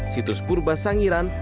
situs purbas sangiran